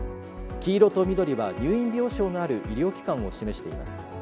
黄色と緑は入院病床のある医療機関を示しています。